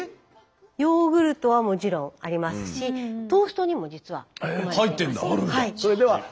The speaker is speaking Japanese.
ヨーグルトはもちろんありますしトーストにも実は含まれています。